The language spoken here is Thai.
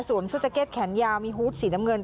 ส่วนชุดแจ๊กแขนยาวมีฮูดสีน้ำเงิน